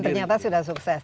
dan ternyata sudah sukses